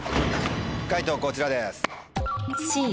解答こちらです。